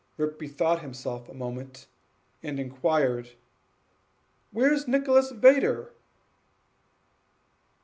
Rip bethought himself a moment, and inquired, "Where's Nicholas Vedder?"